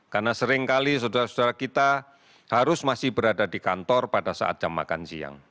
karena seringkali saudara saudara kita harus masih berada di kantor pada saat jam makan siang